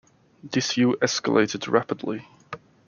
This view escalated rapidly.